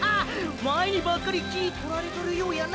前にばっかり気ィ取られとるようやな！